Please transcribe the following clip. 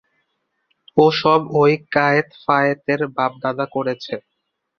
ও-সব ঐ কায়েতফায়েতের বাপ-দাদা করেছে।